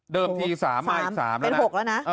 เดิมที๓อีก๓แล้วนะ